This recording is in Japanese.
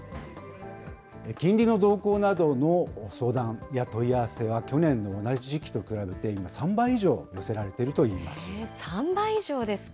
金利の動向などの相談や問い合わせは去年と同じ時期と比べて今３３倍以上ですか。